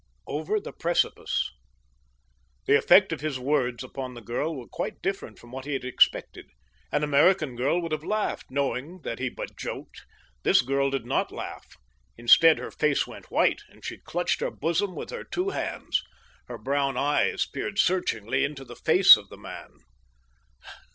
OVER THE PRECIPICE The effect of his words upon the girl were quite different from what he had expected. An American girl would have laughed, knowing that he but joked. This girl did not laugh. Instead her face went white, and she clutched her bosom with her two hands. Her brown eyes peered searchingly into the face of the man.